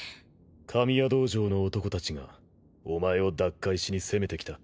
神谷道場の男たちがお前を奪回しに攻めてきた。